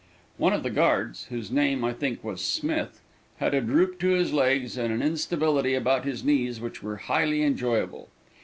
One of the guards, whose name, I think, was Smith, had a droop to his legs and an instability about the knees which were highly enjoyable.